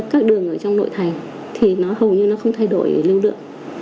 các đường ở trong nội thành thì nó hầu như nó không thay đổi lưu lượng